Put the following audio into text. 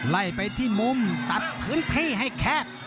ไล่ไปที่มุมตัดพื้นที่ให้แคบ